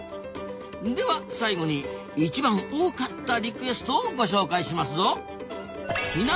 では最後に一番多かったリクエストをご紹介しますぞ。